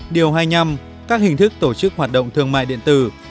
điều hai mươi năm các hình thức tổ chức hoạt động thương mại điện tử